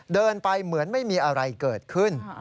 เดินไปเหมือนไม่มีอะไรเกิดขึ้น